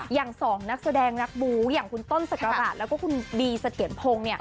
อย่างสองนักแสดงนักบูย์อย่างคุณต้นสกราบาทแล้วก็คุณดีสเตยนพง